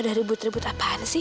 ada rebut rebut apaan sih